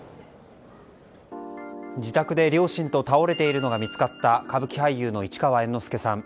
自宅で両親と倒れているのが見つかった歌舞伎俳優の市川猿之助さん。